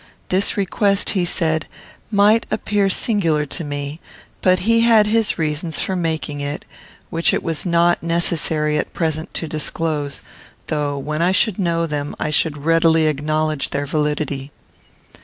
This request, he said, might appear singular to me, but he had his reasons for making it, which it was not necessary, at present, to disclose, though, when I should know them, I should readily acknowledge their validity.